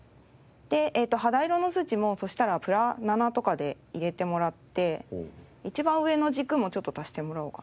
で肌色の数値もうそしたらプラ７とかで入れてもらって一番上の軸もちょっと足してもらおうかな。